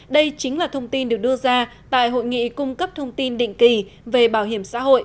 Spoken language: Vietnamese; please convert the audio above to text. đây chính là thông tin được đưa ra tại hội nghị cung cấp thông tin định kỳ về bảo hiểm xã hội